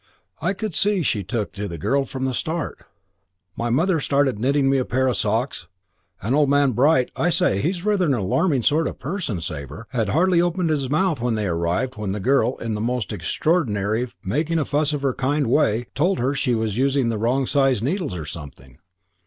I could see she took to the girl from the start. My mother's started knitting me a pair of socks and old man Bright I say, he's rather an alarming sort of person, Sabre had hardly opened his mouth when they arrived when the girl, in the most extraordinary, making a fuss of her kind of way, told her she was using the wrong size needles or something.